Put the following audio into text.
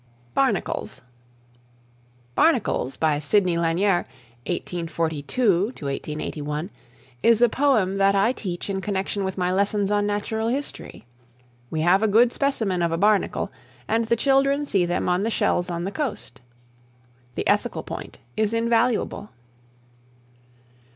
BARNACLES. "Barnacles" (by Sidney Lanier, 1842 81), is a poem that I teach in connection with my lessons on natural history. We have a good specimen of a barnacle, and the children see them on the shells on the coast. The ethical point is invaluable.